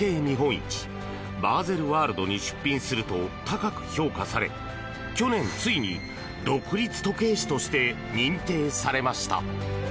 市バーゼルワールドに出品すると高く評価され去年、ついに独立時計師として認定されました。